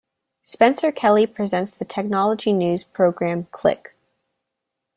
Spencer Kelly presents the technology news programme "Click".